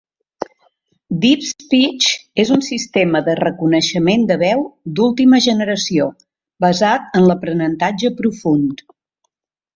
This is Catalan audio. DeepSpeech és un sistema de reconeixement de veu d'última generació basat en l'aprenentatge profund.